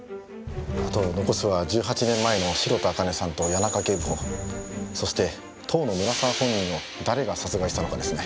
あと残すは１８年前の白田朱音さんと谷中警部補そして当の村沢本人を誰が殺害したのかですね。